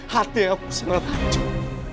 hati aku sangat hancur